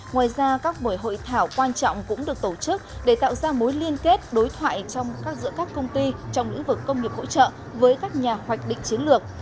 ngoài ra các buổi hội thảo quan trọng cũng được tổ chức để tạo ra mối liên kết đối thoại giữa các công ty trong lĩnh vực công nghiệp hỗ trợ với các nhà hoạch định chiến lược